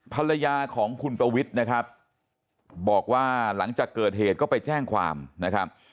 ภรรยาของคุณประวิทย์นะครับบอกว่าหลังจากเกิดเหตุก็ไปแจ้งความนะครับ